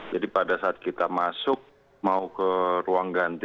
jadi pada saat kita masuk mau ke ruang ganti